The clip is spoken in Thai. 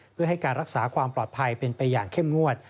เพื่อให้การรักษาความปลอดภัยเป็นไปอย่างเข้มงวด